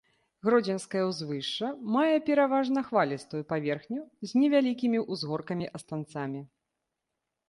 Гродзенскае ўзвышша мае пераважна хвалістую паверхню з невялікімі ўзгоркамі-астанцамі.